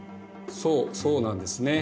そうそうなんですね。